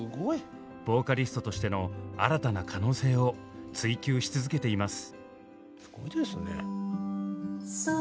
ボーカリストとしての新たな可能性を追求し続けています。